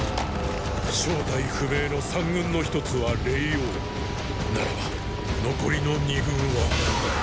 正体不明の三軍の一つは霊凰ならば残りの二軍はぐあぁっ！